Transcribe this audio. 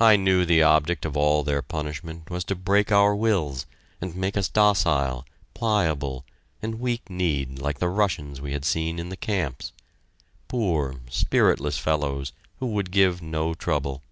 I knew the object of all their punishment was to break our wills and make us docile, pliable, and week kneed like the Russians we had seen in the camps poor, spiritless fellows who could give no trouble.